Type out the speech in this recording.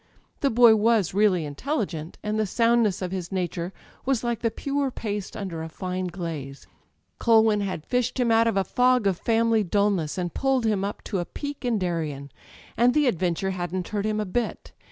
The boy was really intelli gent, and the soundness of his nature was like the pure paste under a fine glaze. Culwin had fished him out of a fog of family dulness, and pulled him up to a peak in Darien; and the adventure hadn't hurt him a bit.